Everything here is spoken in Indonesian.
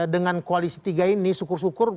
dengan koalisi tiga ini syukur syukur